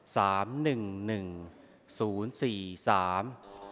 หนึ่งหนึ่งศูนย์สี่สาม